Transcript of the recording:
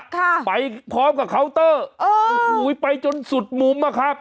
ค่ะไปพร้อมกับเคาน์เตอร์เออโอ้โหไปจนสุดมุมอะครับ